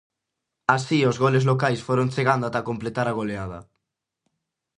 Así os goles locais foron chegando ata completar a goleada.